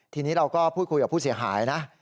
ทีนี้เราก็พูดคุยกับผู้เสียหายนะ